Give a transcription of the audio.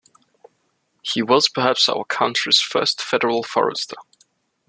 He was perhaps our country's first federal forester.